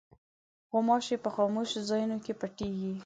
غوماشې په خاموشو ځایونو کې پټېږي.